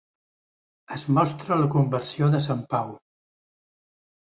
Es mostra la conversió de Sant Pau.